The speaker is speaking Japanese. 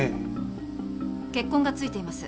血痕がついています。